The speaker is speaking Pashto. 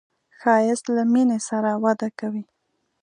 ښایست له مینې سره وده کوي